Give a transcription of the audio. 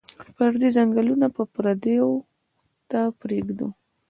پردي جنګونه به پردیو ته پرېږدو.